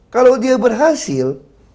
kalau dia berhasil